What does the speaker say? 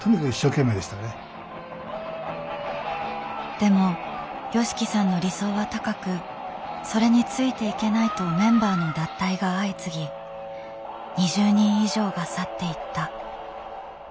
でもＹＯＳＨＩＫＩさんの理想は高くそれについていけないとメンバーの脱退が相次ぎ２０人以上が去っていった。